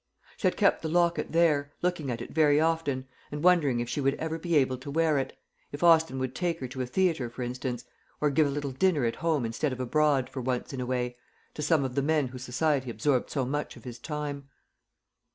She had kept the locket there, looking at it very often, and wondering if she would ever be able to wear it if Austin would take her to a theatre, for instance, or give a little dinner at home instead of abroad, for once in a way, to some of the men whose society absorbed so much of his time.